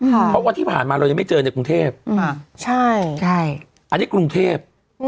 เพราะว่าที่ผ่านมาเรายังไม่เจอในกรุงเทพใช่อันนี้กรุงเทพ